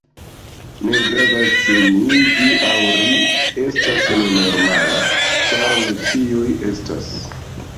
Ne gravas ĉu mi, vi aŭ ri estas nenormala, ĉar ni ĉiuj estas.